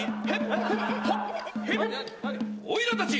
おいらたち。